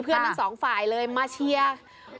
เพื่อนทั้ง๒ฝ่ายเลยมาเชียร์